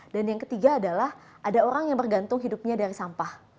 dan yang ketiga adalah ada orang yang bergantung hidupnya dari sampah